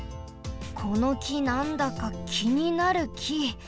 このきなんだかきになるき！